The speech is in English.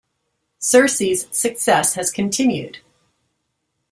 "Serse"'s success has continued.